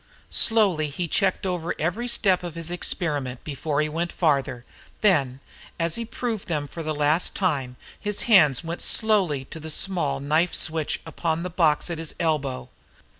Slowly he checked over every step of his experiments before he went farther. Then, as he proved them for the last time, his hand went slowly to the small knife switch upon the box at his elbow.